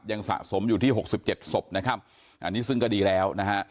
ยังสะสมอยู่ที่๖๗ศพนะครับอันนี้ซึ่งก็ดีแล้วนะฮะ